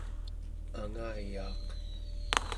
angayaaq